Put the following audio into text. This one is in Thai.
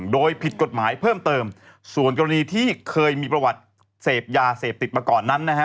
โดยผิดกฎหมายเพิ่มเติมส่วนกรณีที่เคยมีประวัติเสพยาเสพติดมาก่อนนั้นนะฮะ